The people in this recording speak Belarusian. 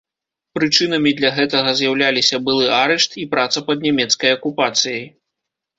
Прычынамі для гэтага з'яўляліся былы арышт і праца пад нямецкай акупацыяй.